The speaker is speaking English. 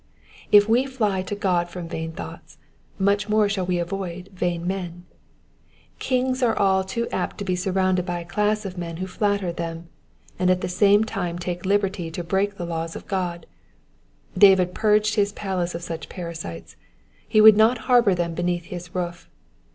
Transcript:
If we fly to God from vain thoughts, much more shall we avoid vain men. ' Kings are all too apt to be surrounded by a class of men who flatter them, and at the same time take liberty to break the laws of God : David purged his palace of such parasites ; he would not harbour them beneath his roof.